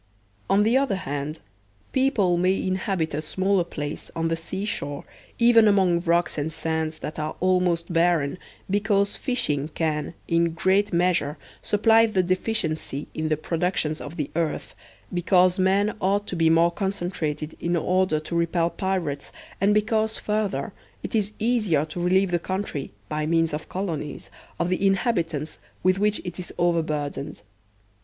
On the other hand, people may inhabit a smaller space on the sea shore, even among rocks and sands that are almost barren, because fishing can, in great measure, supply the deficiency in the pro ductions of the earth, because men ought to be more concentrated in order to repel pirates, and because, further, it is easier to relieve the country, by means of colonies, of the inhabitants with which it is over burdened.